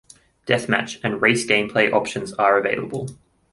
Deathmatch and race gameplay options are available.